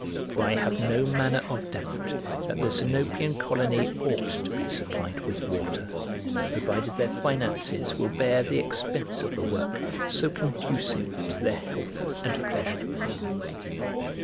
For I have no manner of doubt that the Sinopian colony ought to be supplied with water; provided their finances will bear the expense of a work so conducive to their health and pleasure.